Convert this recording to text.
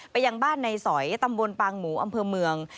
ยังบ้านในสอยตำบลปางหมูอำเภอเมือง